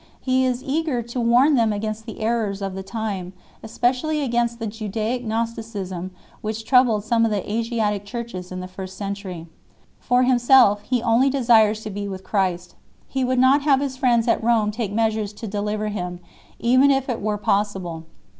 He is eager to warn them against the errors of the time, especially against the Judaic Gnosticism which troubled some of the Asiatic Churches in the first century 1 . For himself he only desires to be with Christ ; he would not have his friends at Rome take measures to deliver him, even if it were possible.